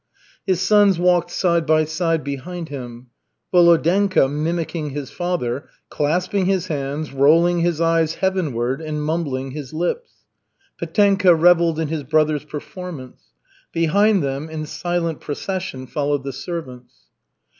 His sons walked side by side behind him, Volodenka mimicking his father, clasping his hands, rolling his eyes heavenward and mumbling his lips. Petenka revelled in his brother's performance. Behind them, in silent procession, followed the servants.